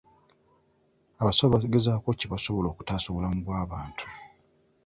Abasawo bagezaako kye basobola okutaasa obulamu bw'abantu.